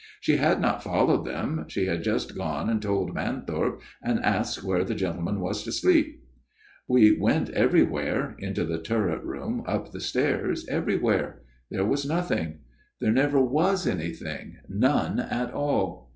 She had not followed them ; she had just gone and told Manthorpe, and asked where the gentleman was to sleep. We went everywhere into the turret room, up the stairs everywhere. There was nothing ; there never was anything ; none at all.